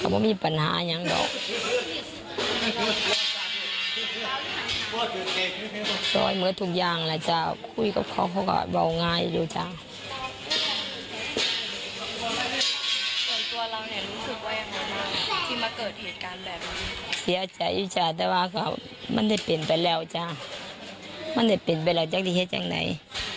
มันไม่ได้เป็นไปแล้วจ้ามันไม่ได้เป็นไปแล้วจากนี้ให้จังไหน